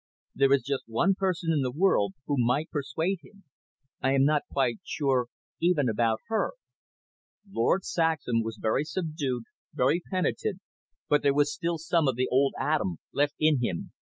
There is just one person in the world who might persuade him. I am not quite sure even about her." Lord Saxham was very subdued, very penitent, but there was still some of the old Adam left in him.